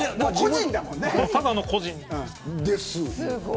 ただの個人です。